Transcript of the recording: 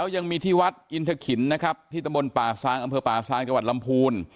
ยังมีที่วัดอินทะขินนะครับที่ตะบนป่าซางอำเภอป่าซางจังหวัดลำพูน